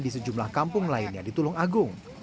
di sekitar kota kota yang berbeda